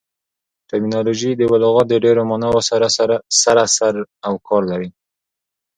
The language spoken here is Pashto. ټرمینالوژي د یوه لغات د ډېرو ماناوو سره سر او کار لري.